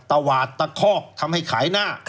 ตวาดตะคอกทำให้ขายหน้า